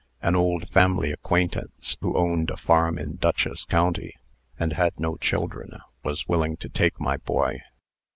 An old family acquaintance who owned a farm in Dutchess County, and had no children, was willing to take my boy.